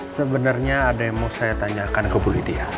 sebenernya ada yang mau saya tanyakan ke bu lydia